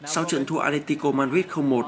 sau trận thua atletico madrid một